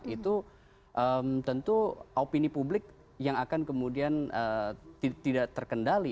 itu tentu opini publik yang akan kemudian tidak terkendali